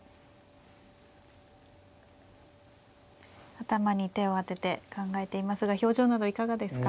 頭に手を当てて考えていますが表情などいかがですか。